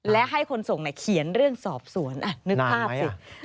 และให้คนส่งเขียนเรื่องสอบสวนนึกภาพสิ